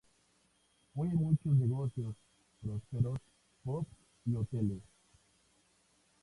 Hoy hay muchos negocios prósperos, pubs y hoteles.